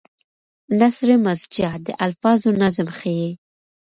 نثر مسجع د الفاظو نظم ښيي.